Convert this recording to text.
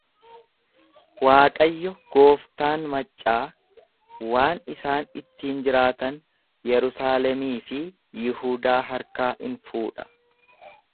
Waaqayyo gooftaan maccaa waan isaan ittiin jiraatan Yerusaalemii fi Yihudaa harkaa in fuudha.